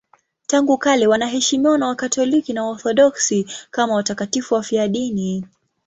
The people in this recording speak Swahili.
Tangu kale wanaheshimiwa na Wakatoliki na Waorthodoksi kama watakatifu wafiadini.